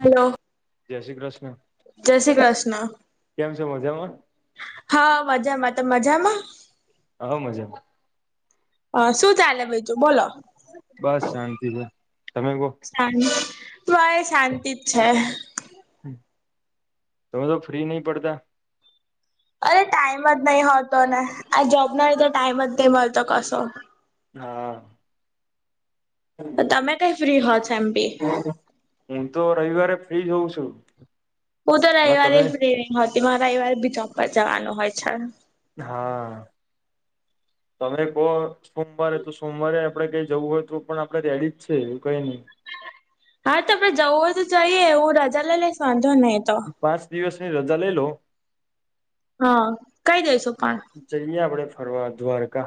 Hello જય શ્રી કૃષ્ણ જય શ્રી કૃષ્ણ. કેમ છે મજામાં. હા મજામાં મજામાં. હ મજામાં. હ શું ચાલે બીજું બોલો. બસ શાંતિ છે. તમે કહો શા ભાઈ શાંતિ જ છે. તમે તો ફ્રી નહી પડતા. અરે ટાઈમ જ નહી હોતો ને આ જોબ ના રીતે ટાઈમ જ નહી મળતો કશો. હા. તો તમે કઈ ફ્રી હો છો એમ બી હું તો રવિવારે. ફ્રી જ હોવું છું. હું તો અને રવિવારે તમે ફ્રી નહી હોતી મારે રવિવારે બી જોબ પર જવાનું હોય છે. હા. તમે કહો સોમવારે તો સોમવારે આપડે કઈ જવું હોય તો પણ આપડે રેડી જ છે એવું કઈ નહી. હા તો આપડે જવું તો જઈએ એવું રાજા લાઈ લઈસ વાંધો નહી તો. પાંચ દિવસની રજા લઈ લો હા કઈ દઈશું પણ જઈએ આપડે ફરવા. દ્વારકા.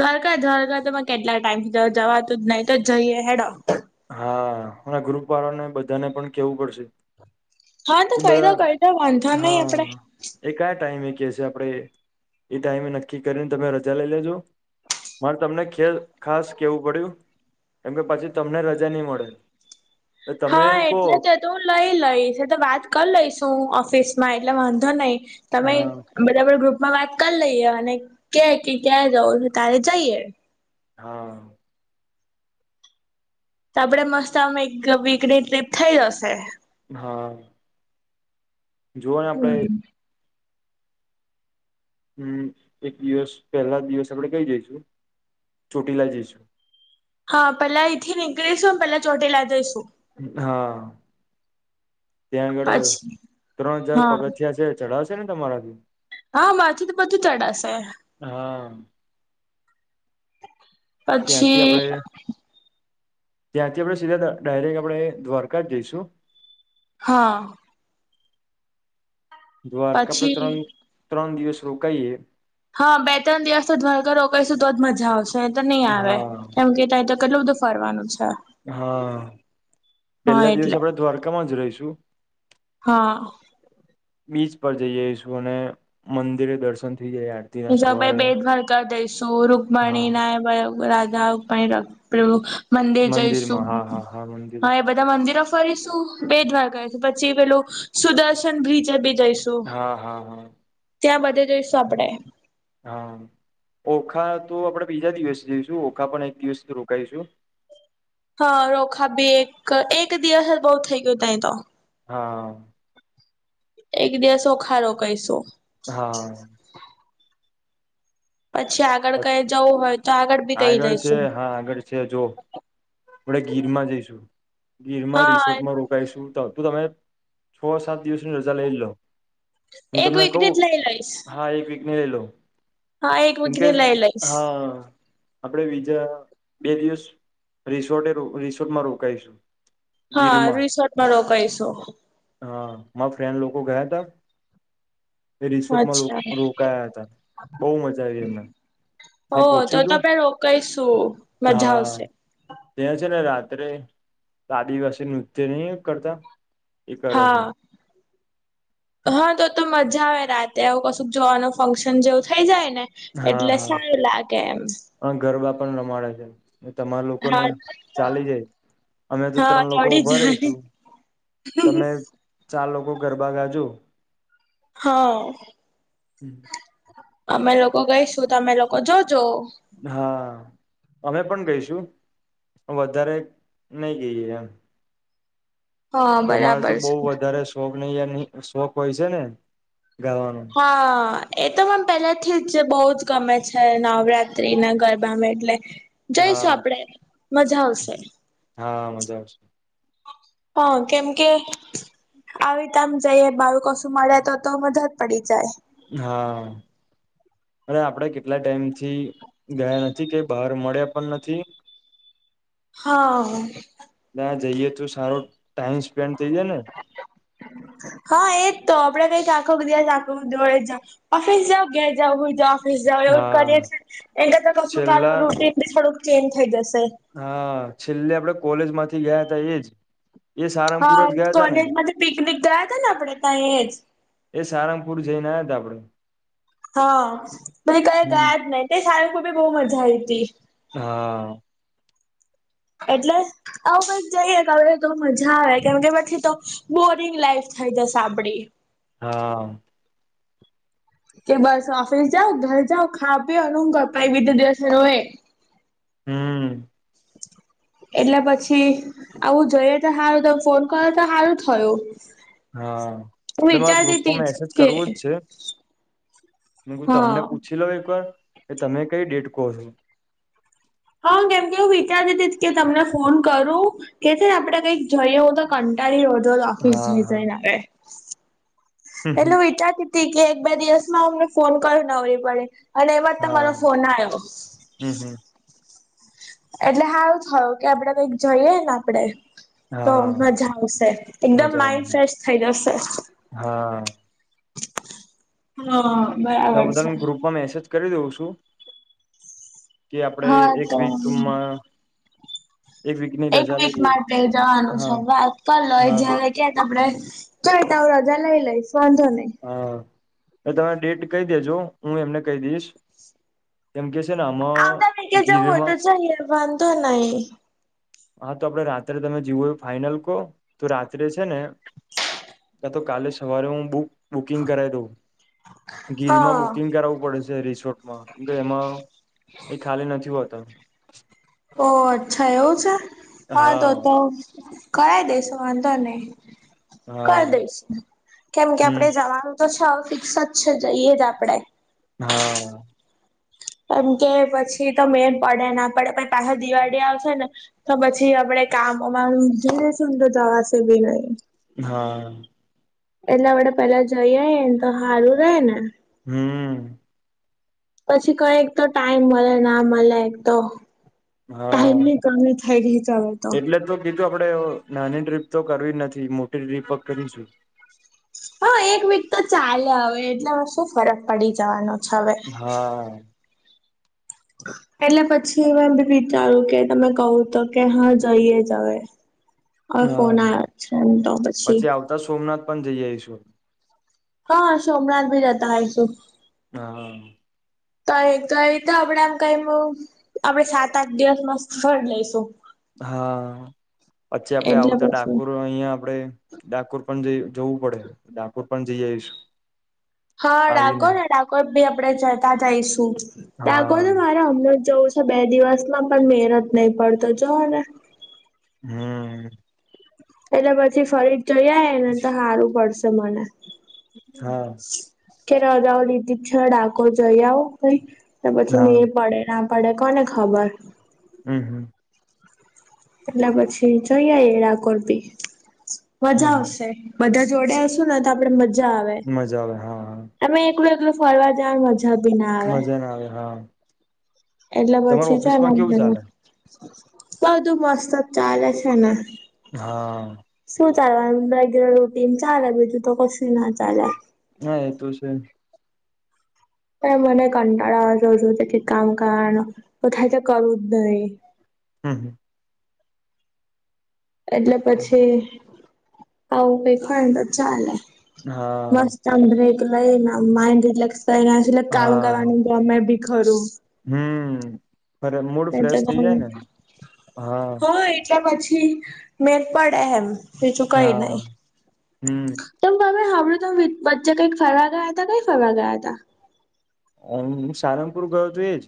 દ્વારકા દ્વારકા તોમે કેટલા ટાઈમથી જવાતું જ નહી તો જઈએ હેડો. હા અને ગ્રુપ વાળાને બધાને પણ કેવું પડશે. હા તો એ કહી બધા દો કહી દો વાંધો નહી આપડે હા એ કયા ટાઈમે એ કે છે. આપડે એ ટાઈમે નક્કી કરીને તમે રજા લઈ લેજો. મારે તમને ખેલ ખાસ કેવું પડ્યું કેમ કે પછી તમને ર જા ની મડે. હા એટલે તો તો હું લઈ લઈશ તો વાત કરી લઈશું ઓફિસમાં એટલે વાંધો નહી તમે હા બધા ગ્રુપ માં વાત કરી લઈએ અને કેય કે ક્યાંરે જવું છ તારે જઈએ. હા તો આપડે, મસ્ત આમાં એક વીકની ટ્રીપ થઈ જશે. હા જોઓને આપડે હમ હમ, એક દિવસ પહેલા દિવસ આપણેે કઈ જઈશું ચોટીલા જઈશુ હા, પેલા અય થી નીકળીશું અને પેલા ચોટેલા જઈશુ હા ત્યાં આગળ પછી ત્રણ હજાર હા પગથિયા છે, ચડાવશે ને તમારાથી. હા, મારથી તો બધું ચડાશે હા ત્યાંથી પછી આપડે ત્યાંથી, આપણે સીધા ડાયરેક્ટ આપણે દ્વારકા જ જઈશુ હા દ્વારકા, આપડે પછી ત્રણ ત્રણ દિવસ રોકાઈએ હા બે, ત્રણ દિવસ તો ધ્વારઘ રો કઈશું તો જ મજા આવશે. એ તો નહી આવે હા કેમ કે ત તો કેટલું બધું ફરવાનું છે. હા, હા પેલા દિવસ એટલે આપણે દ્વારકામાં જ રહીશુ હા. બીચ પર જઈ આવીઈશું? અને મંદિરે દર્શન થઈ જાય આરતી ના હજ, ભાઈ ભ સવારે બેદભાવ કરી દઈસું હા રૂકમણી ના રાધા રખડ મંદિર જઈશુ, મંદિરમાં હા હા મંદિર હા એ બધા મંદિરો. ફરી શું બેદ વાર ગયો છે, પછી પેલું સુદર્શન બ્રિજ હા, હા, હા ત્યા, બધે જોઈશું આપણે હા ઓખા, તો આપણેે બીજા દિવસે જઈશું ઓખા પણ એક દિવસ રોકાાયશું? હા, રોખા બી એક એક દિવસ બઉ થઈ ગયુ ત તો. હા. એક દિવસ, ઓખા રોકાઈ શું? હા પછી આગળ છ કઈ જવું હોય તો બી કઈ આગળ છે, જઈશું હા આગળ છે, જો આપડ ગીરમા જઈશુ, ગીરમા હા રિસોર્ટમાં રોકાઈશુ ત તુ તમે છ, સાત દિવસની રજા લઈ લ લો હુ, એક તમને કઉુ, વીકની જ લઈ લઈશ હા એક વીક ની લઈલો? હા એક એમ કે વીકની લઈ લઈશ હા આપણેે બીજા, બે દિવસ રિસોર્ટે રિસોર્ટમાં રોકાઈશું? હા, ગીરમાં રિસોર્ટમાં રોકાઈશુ મા ફ્રેન્ડ લોકો, ગયા હતા એ રિસોર્ટમા અચ્છા રોકાયા હતા. બહુ મજા આવી એમને ને ઓહ તો પૂછ્યું તુ તમે રોકાઈશું મજા હા, આવશે ત્યા છે ને, રાત અ આદિવાસી નૃત્ય, નહ કરતા એ કરે છે. હા હા, તો તો મજા આવે રાતે આવું કશુંક જોવાનું ફંક્શન જેવુ થઈ. જાયને હા એટલે સારુ, લાગે એમ મા છે. તમારા લોકોને હા ચાલી જાય, અમે તો હા ત્રણ લોકો ચડી ઉભા જાય રહીશું. તમે ચાર લોકો ગરબા ગાજો હા અમે લોકો ગઈશુ, તો અમે લોકો જો હા અમે પણ ગઈશુ, વધારે નઈ ગઈએ એમ હા તમારે, તો બરાબર બહ છે વધારે શોખ શોખ હોય છે, ને ગાવાનો હા, એ તો મને પેલેથીજ બોજ ગમે છે, નવરાત્રી ના ગરબામાં એટલે હા જઈશું આપડે મજા આવશે. હા, મજા આવશે. હા, કેમકે આવી તમ જઈ બાળકો ઓશું મળ્યા તો તો મજા જ પડી. જાય હા. અને આપડે કેટલા ટાઈમ થી ગયા નથી, કે બહાર મળ્યા પણ નથી હા. ત્યાં જઈએ તો સારો ટાઈમ સ્પેન્ડ થઇ જાયને હા એજ તો આપડે કઈ આખો દિવસ આખું દોડેજ જાવ ઓફિસ જાઓ ઘેર જાવ હુઈ જાવ ઓફિસ જાવ એવુંજ કરીએ હા છે ને એના કરતા કશું છેલ્લા કું રૂટીન બી થોડુંક ચેન્જ થઈ જશે. હા, છેલ્લે આપડે કોલેજમાંથી ગયાતા એજ એ સારંગપુર હા, જ ગયા તા ને કોલેજ માંથી પિકનિક ગયાતા ન આપડે તા એજ એ સારંગપુર જઈને આયા તા આપડે હા, પછી કંઈએ હમ ગયાજ નઈ, તઈ સારંગપુર બી બહુ મજા આઈતી હા. એટલે આવું કઈક જઈએ કંઈએ તો મજા આવે કેમકે પછી તો બો રીંગ લાઈફ થઈ જશે, આપડી. હા. કે બસ ઓફિસ જાઓ, ઘર જાઓ, ખાવો પીવો ન રોવો પછી બીજે દિવસે રોય હમ્મ. એટલે પછી આવું જોઈએ તે હારુ, તમ ફોન કર્યો તો હારુ થયું. હા, હું એટલે મારે વિચારતી ગ્રુપમાં તી જ મેસેજ કે કરવોજ છે. મેકુ હા તમને પૂછી લઉ એક વાર, કે તમે કઈ ડેટ કો છો. હા, કેમકે હું વિચારીતી હતી કે તમને ફોન કરું કે છે ને આપડે કંઈક જઈએ, હું તો કંટાળી અવ તોજ ઓફિસ હા હા રિઝાઇન આપે એટલું વિચારતી હતી કે એક બે દિવસમાં અમને ફોન કરું, નવરી પડે અને એમાંજ તમારો હા ફોન આયો. હમ હમ એટલે હારુ થયુ કે આપડે કઈક જઈએને આપડે તો હા મજા આવશે, એકદમ મજા માઈન્ડ આવે ફ્રેશ થઈ જશે. હા હા. તા બરાબર છે બધાને ગ્રુપમાં મેસેજ કરી દઉં છું કે આપડે હા એક તો વીકમાં વીકની એક રજા વીક લઈએ માટે જવાનું હા છે, વાત કરલો એ હા જયારે કે તો આપડે કઈ તો અવ રજા લઈ લઇશ વાંધો નઈ હા તો તમે ડેટ કહી દેજો, હું એમને કહી દઈશ, કેમકે આવતા વીકે જવું હોય તો જઈએ, વાંધો નઈ. હા, તો આપડે રાત્રે તમે જીવો ફાઈનલ કો, તો રાત્રે છે ને કા તો કાલે સવારે હું બુક બુકિંગ કરાઈ દઉં. ગીરમાં હા બુકિંગ કરાવવું પડે છે, રિસોર્ટમાં કેમકે એમાં એ ખાલી નથી હોતા. ઓ અચ્છા એવું છે. હા, તોતો કરાઇ દેશો વાંધો નઈ કર હા દઈશ, કેમકે હમ આપડે જવાનું તો છ ફિક્સ અજ છે, જઈએ જ આપડે હા. કેમકે પછી તો મેર પડે ના પડે પછી પાછા દિવાળી આવશે ને તો પછી આપડે કામ માં અમાર અજ રઈસુ, તો જવાશે ભી નઈ હા. એટલા માટે પેલા જઈ આઈને તો હારું રેહ ને હમમ પછી, ક એકતો ટાઈમ મલે ના મલે એક તો હા એમની કમી થઈ ગઈ છ, અવે તો એટલે કીધું તો આપડે અવ નાની ટ્રીપ, તો કરવી નથી. મોટી ટ્રીપ કરીશુ હા, એક વીક તો ચાલે અવે એટલે અવે શું ફરક પડી જવાનો છે. હવે હા એટલે પછી મેં બી વિચારુ, કે તમે કહું તો કે હા જઈએ જ અવે અવે ફોન હા. આવે છે, તો પછી આવતા સોમનાથ [inaudible] હા, સોમનાથ ભી રહેતા હૈસુ હા તો એ તો આપણે આમ કઈ આપણે, સાત આઠ દિવસનું સ્થળ લઈશું હા, પછી આપણે એટલે આવતા પછી ડાકોર અહિયાં આપડે ડાકોર પણ જવું પડે. ડાકોર પણ જઈ આવીશુ હા, ડાકોર ને ડાકોર પણ આપણે જઈશું. ડાકોર હા ને મારો હમણાં જ જવું છે પણ બે દિવસ માં પણ મેળ જ નહી પડતો જો ને હા એટલે પછી ફરી જઈએ, તો સારુ પડશે મને હા કે રજાઓ લીધી છે. ડાકોર જઈ આવો પછી હા મેળ પડે ના પડે પણ કોને, ખબર હા, હા એટલે પછી જયઆઈએ, ડાકોર થી હમ મજા હમ આવશે બધા જોડે હશું ને તો આપડે મજા આવે. મજા આવે હા હા તમે એકલા એકલા ફરવા જાવ મજા ના આવે બી મજા ના આવે, હા એટલે તમાર પછી છે, ને ઓફિસમાં કેવું બધું ચાલે મસ્ત જ ચાલે છે ને હા ચા રોટી ચાલે ભી, તું તો કશું ના ચાાલ હા, એ તો છે. ત મને કંટાળો આવે, જો કામ કામ ને થાય તો કરવુંજ નહી હા, હા એટલે પછી આવું. કઈ ખાઈએ તો ચાલે હા મસ્ત, અંદિક લાઇન આનંદ લાક્સ, ના આસ કામ હા કરવાનું પણ ખરુ હમ, મૂડ એટલે ફ્રેશ થઇ જાય ને હા મેળ પડે એમ બીજું કઈ હા નહી. હમ તમ તમે વચ્ચે કઈક ફરવા ગયા હતા. ક્યાં ફરવા ગયા હતા. હુ, સારંગપુર ગયો, તો એજ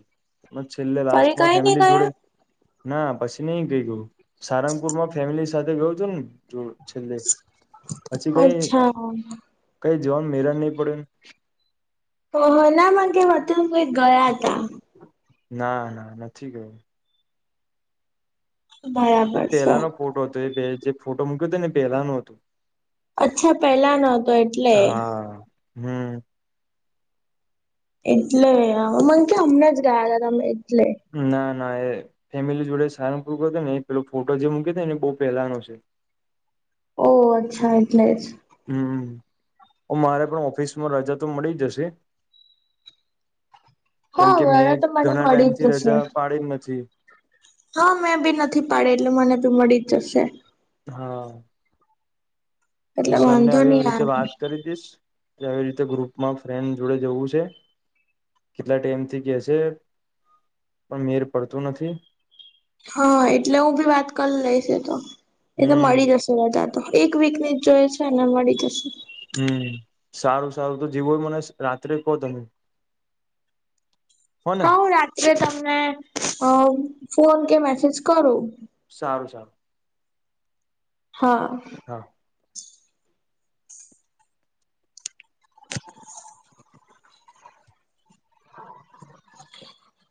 છેલ્લે ફરી લાસ્ટમાં કઈ નઈ ફેમિલી જોડે ગયા? ના પછી નહી, ગયો સારંગપુર માં ફેમિલી સાથે ગયો તોને ને જો છેલ્લે, પછી કઈ અચ્છા ક્યાં જવાનો મેળજ નહી, પડ્યોન કહો, ના કે અતુલ ભાઈ ગયાતા ના ના નથી, ગયા એ બરાબર છે. પહેલાનો ફોટો હતો, એ જે ફોટો મૂક્યો હતો ને પહેલા નો હતો અચ્છા પહેલા નો હતો, એટલે હા હમ એટલે અમન ક્યા, અમેજ ગયાતા ના ફેમિલી જોડે સારંગ પૂર કર. ને એ પહેલા નો ફોટો જે મૂક્યો તો ને બહુ પહેલા નો છે. હા ઓ અચ્છા એટલે જ. આમ મારે પણ ઓફિસમાં રજા તો મળી જશે. કેમ હા કે મેં રજા તો મને ઘણા મળી જ ટાઈમથી જશે. રજા પાડી જ નથી હા મે પણ નથી પાડી એટલે મને તો મળીજ જશે.. હા. એટલે સરને વાંધો નહી આવી રીતે આવે વાત કરી દઇશ. કે આવી રીતે ગ્રુપમાં ફ્રેન્ડ જોડે જવું છે. કેટલા ટાઈમથી કેસે પણ મેળ પડતો નથી. હા એટલે હું બી વાત કરી લઈશ એ તો એ તો હમ મળી જશે રજા. એક વીકની જોઈએ છેને મળી જશે. હમ્મ સારું-સારું તો જે હોય તે મને રાત્રે કહો તમે. હો ને હા હું રાત્રે તમને અ ફોન કે મેસેજ કરું. સારું-સારું. હા. હા [inaudible] [inaudible]